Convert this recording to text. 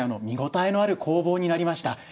見応えのある攻防になりました。